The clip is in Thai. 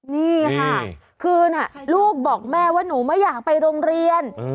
นี่ค่ะคือลูกบอกแม่ว่าหนูไม่อยากไปโรงเรียน